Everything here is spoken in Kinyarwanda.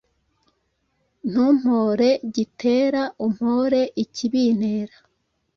Ntumpore gitera umpore ikibintera